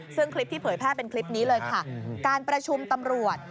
ซึ่งคลิปที่เผยแพร่เป็นคลิปนี้เลยค่ะการประชุมตำรวจ